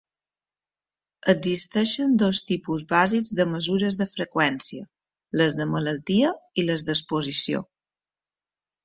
Existeixen dos tipus bàsics de mesures de freqüència, les de malaltia i les d'exposició.